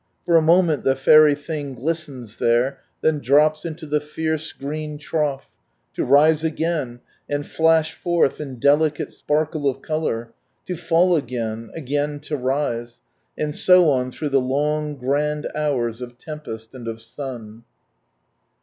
For a moment the fairj' thing glistens there, then drops into the fierce green trough ; to rise again, and flash forth in delicate sparkle of colour, to fall again, again to rise, and so on through the long grand hours of tempest and of sun.